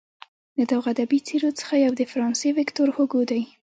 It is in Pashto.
له دغو ادبي څیرو څخه یو د فرانسې ویکتور هوګو دی.